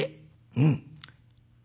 うん。